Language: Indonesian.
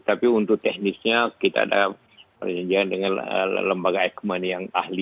tapi untuk teknisnya kita ada perjanjian dengan lembaga eijkman yang ahli